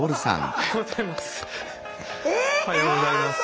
ええ⁉おはようございます。